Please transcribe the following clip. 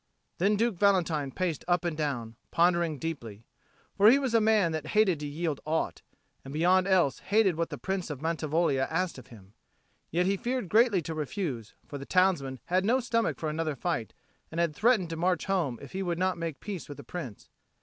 Then Duke Valentine paced up and down, pondering deeply. For he was a man that hated to yield aught, and beyond all else hated what the Prince of Mantivoglia asked of him. Yet he feared greatly to refuse; for the townsmen had no stomach for another fight and had threatened to march home if he would not make peace with the Prince.